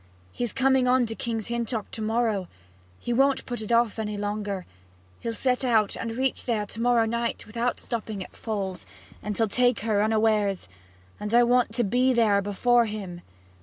He's coming on to King's Hintock to morrow he won't put it off any longer; he'll set out and reach there to morrow night, without stopping at Falls; and he'll take her unawares, and I want to be there before him.'